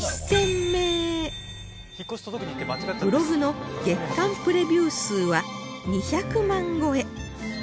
ブログの月間プレビュー数は２００万超え